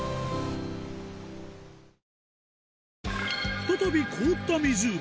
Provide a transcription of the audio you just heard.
再び凍った湖